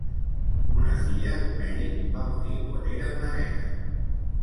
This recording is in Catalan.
Una filla, Mary, va morir quan era una nena.